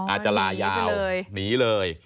อาจจะลายาวหนีเลย